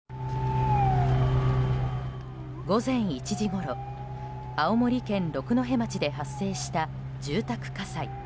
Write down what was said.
午前１時ごろ青森県六戸町で発生した住宅火災。